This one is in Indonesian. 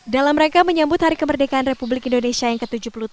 dalam rangka menyambut hari kemerdekaan republik indonesia yang ke tujuh puluh tiga